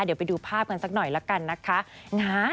เดี๋ยวไปดูภาพกันสักหน่อยละกันนะคะ